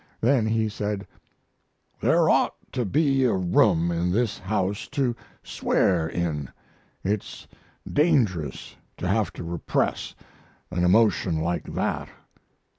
Then he said: "There ought to be a room in this house to swear in. It's dangerous to have to repress an emotion like that."